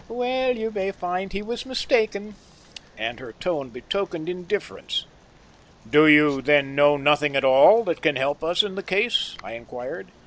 Well, you may find he was mistaken," and her tone betokened indifference. "Do you then know nothing at all that can help us in the case?" I inquired.